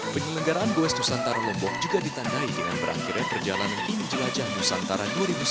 penyelenggaraan goes nusantara lombok juga ditandai dengan berakhirnya perjalanan tim jelajah nusantara dua ribu sembilan belas